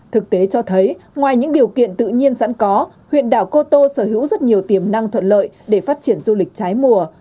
thực tế cho thấy ngoài những điều kiện tự nhiên sẵn có huyện đảo cô tô sở hữu rất nhiều tiềm năng thuận lợi để phát triển du lịch trái mùa